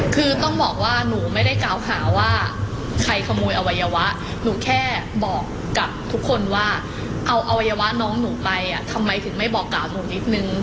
คือต้องบอกว่าหนูไม่ได้กล่าวหาว่าใครขโมยอวัยวะหนูแค่บอกกับทุกคนว่าเอาอวัยวะน้องหนูไปอ่ะทำไมถึงไม่บอกกล่าวหนูนิดนึง